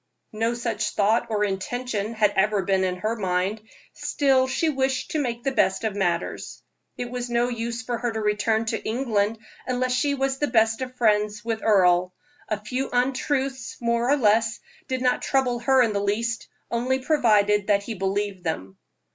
No such thought or intention had ever been in her mind, still she wished to make the best of matters. It was no use for her to return to England unless she was the best of friends with him. A few untruths, more or less, did not trouble her in the least, only provided that he believed them.